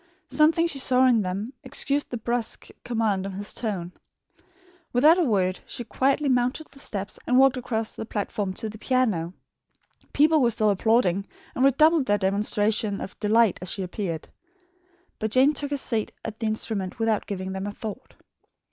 Something she saw in them excused the brusque command of his tone. Without a word, she quietly mounted the steps and walked across the platform to the piano. People were still applauding, and redoubled their demonstrations of delight as she appeared; but Jane took her seat at the instrument without giving them a thought.